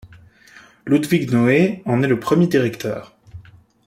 Ludwig Noé en est le premier directeur.